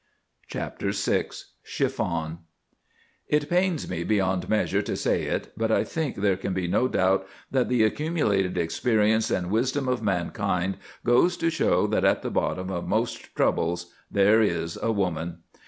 CHAPTER VI CHIFFON It pains me beyond measure to say it, but I think there can be no doubt that the accumulated experience and wisdom of mankind goes to show that at the bottom of most troubles there is a woman.